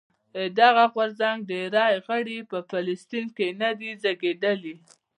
د دغه غورځنګ ډېری غړي په فلسطین کې نه دي زېږېدلي.